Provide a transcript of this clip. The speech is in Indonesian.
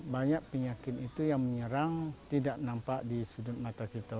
banyak penyakit itu yang menyerang tidak nampak di sudut mata kita